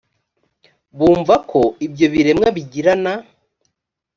bumva ko ibyo biremwa bigirana